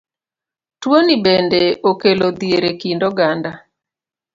Tuoni bende okelo dhier e kind oganda.